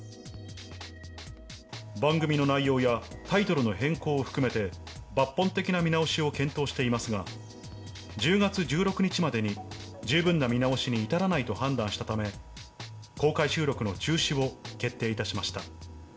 番組の内容やタイトルの変更を含めて、抜本的な見直しを検討していますが、１０月１６日までに十分な見直しに至らないと判断したため、公開収録の中止を決定いたしました。